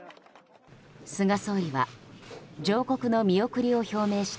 菅総理は上告の見送りを表明した